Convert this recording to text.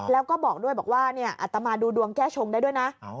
แล้วก็บอกด้วยบอกว่าอัตมาดูดวงแก้ชงได้ด้วยนะ